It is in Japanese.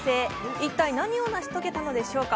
一体何を成し遂げたのでしょうか。